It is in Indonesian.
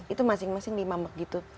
itu masing masing lima begitu